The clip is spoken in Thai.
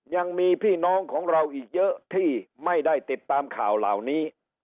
ยังมีพี่น้องของเราอีกเยอะที่ไม่ได้ติดตามข่าวเหล่านี้